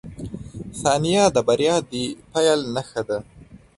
• ثانیه د بریا د پیل نښه ده.